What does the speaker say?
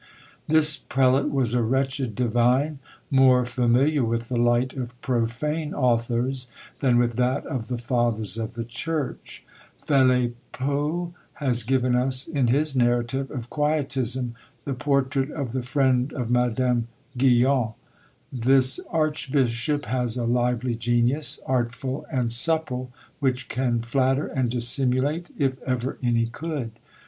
This prelate was a wretched divine, more familiar with the light of profane authors than with that of the fathers of the church. Phelipeaux has given us, in his narrative of Quietism, the portrait of the friend of Madame Guyon. This archbishop has a lively genius, artful and supple, which can flatter and dissimulate, if ever any could.